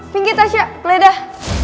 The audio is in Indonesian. pinggir tas ya boleh dah